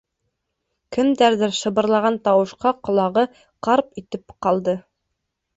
Кемдәрҙер шыбырлаған тауышҡа ҡолағы «ҡарп» итеп ҡалды.